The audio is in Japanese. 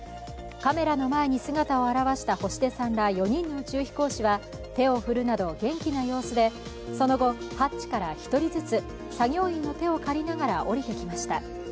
カメラの前に姿を現した星出さんら４人の宇宙飛行士は手を振るなど元気な様子で、その後、ハッチから１人ずつ、作業員の手を借りながら降りてきました。